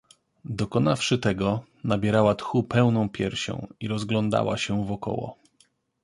Dokonawszy tego, nabierała tchu pełną piersią i rozglądała się wokoło.